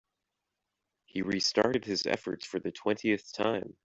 He restarted his efforts for the twentieth time.